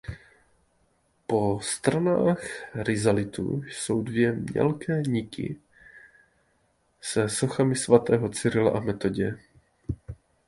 Po stranách rizalitu jsou dvě mělké niky se sochami svatého Cyrila a Metoděje.